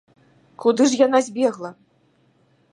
Куды ж яна збегла?